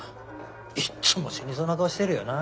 いっつも死にそうな顔してるよな。